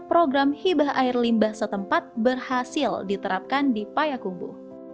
program hibah air limbas tempat berhasil diterapkan di payakumbu